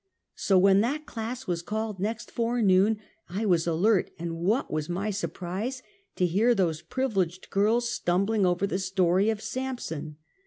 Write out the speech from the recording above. So when that class was called next forenoon, I was alert, and what was my surprise, to hear those privileged girls stumbling over the story of Samson